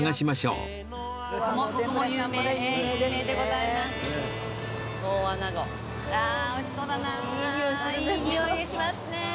いいにおいがしますね。